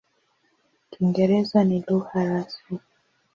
Kiingereza ni lugha rasmi.